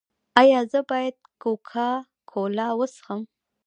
ایا زه باید کوکا کولا وڅښم؟